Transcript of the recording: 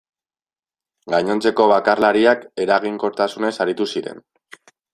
Gainontzeko bakarlariak eraginkortasunez aritu ziren.